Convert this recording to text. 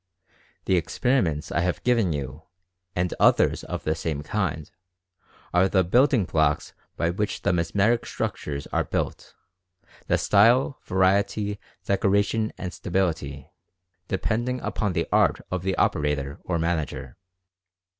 The experiments I have given you, and others of the same kind, are the build ing blocks from which the mesmeric structures are built, — the style, variety, decoration, and stability, de pending upon the art of the operator or manager.